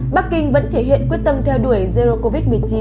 bắc kinh vẫn thể hiện quyết tâm theo đuổi erdo covid một mươi chín